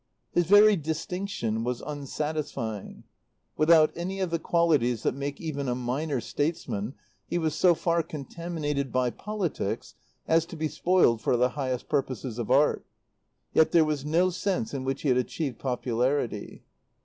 His very distinction was unsatisfying. Without any of the qualities that make even a minor statesman, he was so far contaminated by politics as to be spoiled for the highest purposes of art; yet there was no sense in which he had achieved popularity.